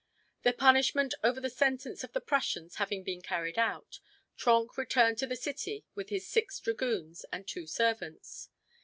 The punishment over and the sentence of the Prussians having been carried out, Trenck returned to the city with his six dragoons and the two servants.